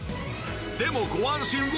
でもご安心を！